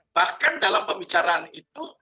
bahkan dalam pembicaraan itu